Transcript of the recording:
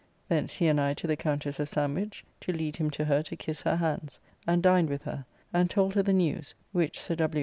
Thence he and I to the Countess of Sandwich, to lead him to her to kiss her hands: and dined with her, and told her the news (which Sir W.